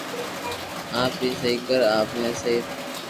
آپ اي سھي ڪر آپ ني سھي بس